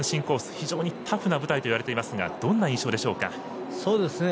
非常にタフな舞台といわれていますがどんな印象でしょうか？